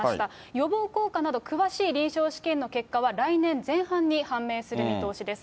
予防効果など、詳しい臨床試験の結果は来年前半に判明する見通しです。